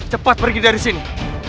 cepat pergi dari sini